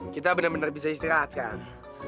kita bener bener bisa istirahat sekarang